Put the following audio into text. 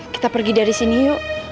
kita pergi dari sini yuk